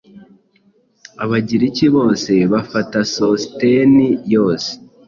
Abagiriki bose bafata Sositeni yose